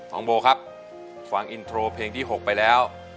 น้องโบครับฟังอินโทรเพลงที่๖ไปแล้ว